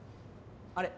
あれ？